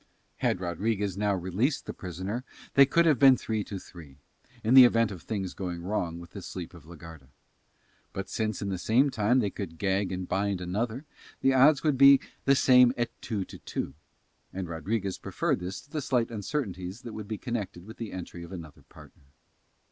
Had Rodriguez now released the prisoner they could have been three to three, in the event of things going wrong with the sleep of la Garda; but, since in the same time they could gag and bind another, the odds would be the same at two to two, and Rodriguez preferred this to the slight uncertainties that would be connected with the entry of another partner.